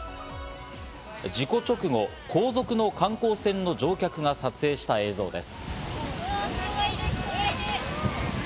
事故直後、後続の観光船の乗客が撮影した映像です。